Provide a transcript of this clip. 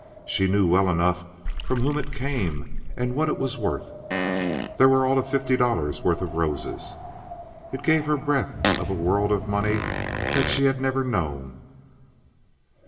She knew well enough from whom it came and what it was worth. There were all of fifty dollars worth of roses. It gave her breath of a world of money that she had never known.